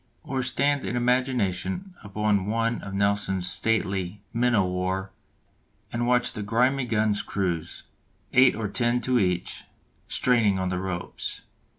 Or stand in imagination upon one of Nelson's stately men o' war and watch the grimy guns' crews, eight or ten to each, straining on the ropes.